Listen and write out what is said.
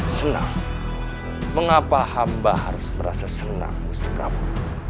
senang mengapa hamba harus merasa senang mesti prabu